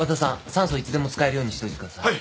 酸素いつでも使えるようにしておいてください。